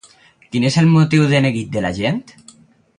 Quin és el motiu de neguit de la gent?